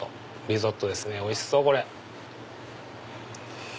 リゾットですねおいしそう。